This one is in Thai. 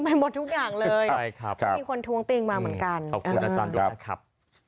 ไปหมดทุกอย่างเลยครับมีคนทวงติงมาเหมือนกันครับ